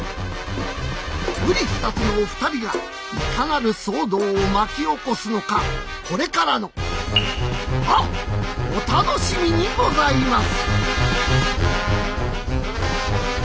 うり二つのお二人がいかなる騒動を巻き起こすのかこれからのお楽しみにございます